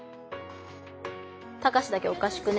「タカシだけおかしくね？」